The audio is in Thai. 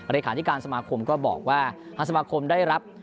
เลขาธิการสมาคมก็บอกว่าทางสมาคมได้รับ